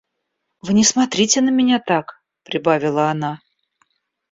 Вы не смотрите на меня так, — прибавила она.